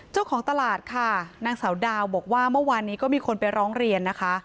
เจ้าของตลาดค่ะนางสาวดาวบอกว่าเมื่อวานนี้ก็มีคนไปร้องเรียนนะคะ